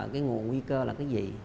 cái nguồn nguy cơ là cái gì